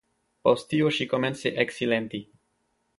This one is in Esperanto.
Post tio ŝi komence eksilenti.